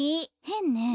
へんね。